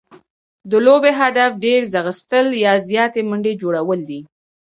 د لوبي هدف ډېر ځغستل يا زیاتي منډي جوړول دي.